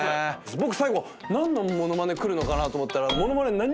僕最後何の物まね来るのかなと思ったら。